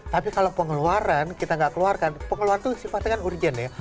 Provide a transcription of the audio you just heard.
tapi kalau pengeluaran kita nggak keluarkan pengeluaran itu sifatnya kan urgent ya